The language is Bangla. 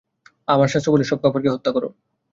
আমার শাস্ত্র বলে, সব কাফেরকে হত্যা কর।